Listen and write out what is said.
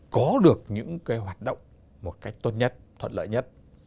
có được những hoạt động một cách tốt nhất thuận lợi nhất